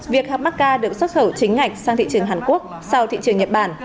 việc hạng macca được xuất khẩu chính ngạch sang thị trường hàn quốc sau thị trường nhật bản